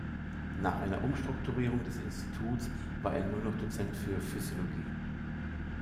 Nach einer Umstrukturierung des Instituts war er nur noch Dozent für Physiologie.